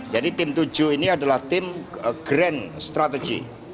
jadi tim tujuh ini adalah tim grand strategy